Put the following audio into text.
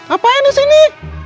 apaan di sini